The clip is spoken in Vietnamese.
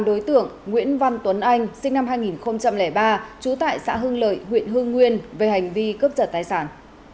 đối tượng nguyễn văn tuấn anh sinh năm hai nghìn ba trú tại xã hưng lợi huyện hương nguyên về hành vi cướp giật tài sản